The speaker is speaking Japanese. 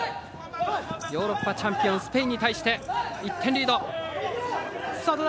ヨーロッパチャンピオンスペインに対して１点リード。